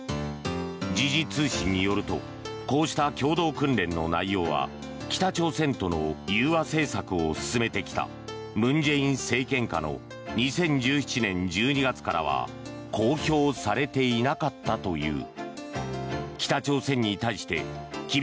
時事通信によるとこうした共同訓練の内容は北朝鮮との融和政策を進めてきた文在寅政権下の２０１７年１２月からは公表されていなかったという。